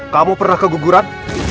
kamu pernah keguguran